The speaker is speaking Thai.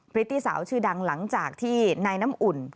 พริตตี้สาวชื่อดังหลังจากที่นายน้ำอุ่น